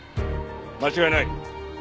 間違いない。